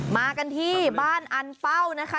มากันที่บ้านอันเป้านะคะ